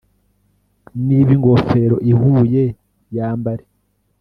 niba ingofero ihuye, yambare